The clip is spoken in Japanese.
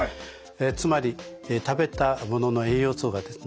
つまり食べたものの栄養素がですね